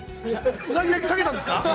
◆うなぎだけ、かけたんですか？